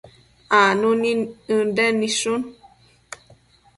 acnu nid Ënden nidshun